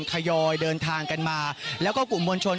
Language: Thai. ทยอยเดินทางกันมาแล้วก็กลุ่มมวลชน